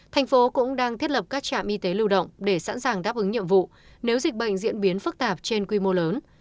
thành phố cũng đang thiết lập các trạm y tế lưu động để sẵn sàng đáp ứng nhiệm vụ nếu dịch bệnh diễn biến phức tạp trên quy mô lớn